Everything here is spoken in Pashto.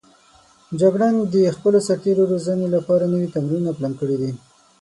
جګړن د خپلو سرتېرو روزنې لپاره نوي تمرینونه پلان کړي دي.